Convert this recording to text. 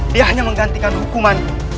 dia hanya menggantikan hukuman